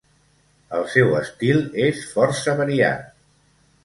El seu estil és força variat.